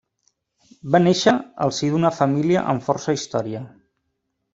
Va néixer al si d'una família amb força història.